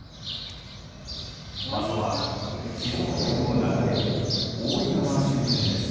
場所は静岡県を流れる大井川周辺です。